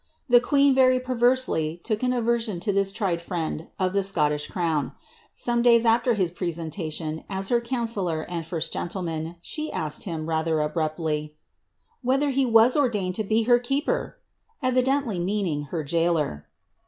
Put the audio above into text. The queen, very perversely, took an aver sion to this tried friend of the Scottish crown. Some days after his pre sentation, as her counsellor and first gentleman, she asked him, rather abruptly, " Whether he was ordained to be her keeper ?" evidently mean ing her gaoler.